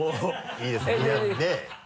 いいですね。